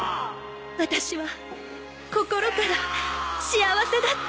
私は心から幸せだった